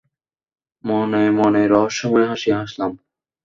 মনে মনেই রহস্যময় হাসি হাসলাম।